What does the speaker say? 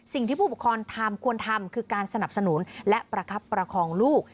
สิ่งที่ผู้ปกครองทำควรทำคือการสนับสนุนและประคับประคองลูก